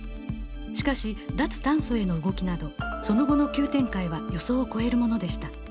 しかし脱炭素への動きなどその後の急展開は予想を超えるものでした。